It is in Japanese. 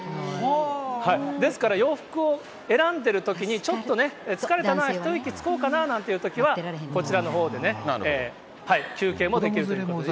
ですから洋服を選んでるときに、ちょっとね、疲れたな、ひと息つこうかななんていうときは、こちらのほうでね、休憩もできるということで。